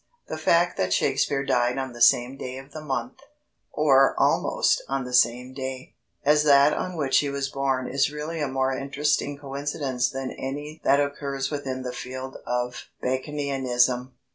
The fact that Shakespeare died on the same day of the month or almost on the same day as that on which he was born is really a more interesting coincidence than any that occurs within the field of Baconianism.